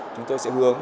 chúng tôi sẽ hướng